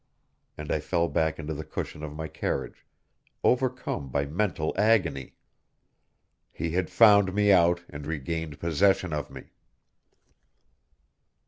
and I fell back onto the cushion of my carriage, overcome by mental agony. He had found me out and regained possession of me.